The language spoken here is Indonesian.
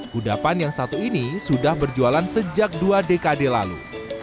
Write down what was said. kudapan yang satu ini sudah berjualan sejak dua dekade lalu